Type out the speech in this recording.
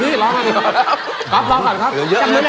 ครับรอก่อนครับ